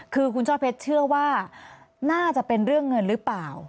คือคุณช่อเพชรเชื่อว่าน่าจะเป็นเรื่องเงินหรือเปล่า